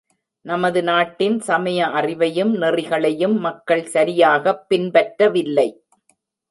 நமது நாட்டின் சமய அறிவையும், நெறிகளையும் மக்கள் சரியாகப் பின்பற்றவில்லை.